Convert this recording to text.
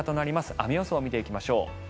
雨予想を見ていきましょう。